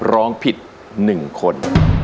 ร้องผิด๑คน